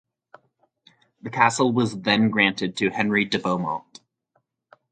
The castle was then granted to Henry de Beaumont.